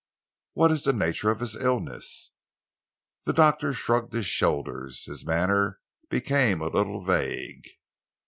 "What is the nature of his illness?" The doctor shrugged his shoulders. His manner became a little vague.